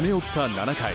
７回。